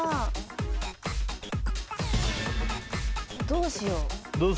どうしよう。